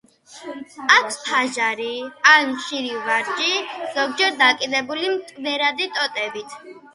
აქვს ფაშარი ან ხშირი ვარჯი, ზოგჯერ დაკიდებული, მტვრევადი ტოტებით.